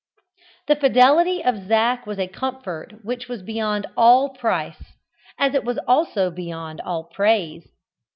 The fidelity of Zac was a comfort which was beyond all price, as it was also beyond all praise.